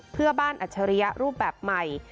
เพื่อบ้านอัจฉริยะรูปแบบใหม่